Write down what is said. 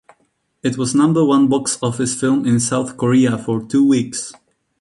It was number one box office film in South Korea for two weeks.